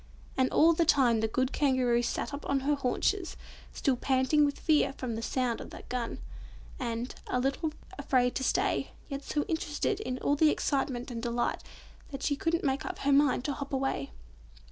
And all the time the good Kangaroo sat up on her haunches, still panting with fear from the sound of the gun, and a little afraid to stay, yet so interested in all the excitement and delight, that she couldn't make up her mind to hop away.